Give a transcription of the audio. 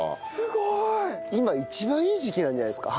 今一番いい時期なんじゃないですか？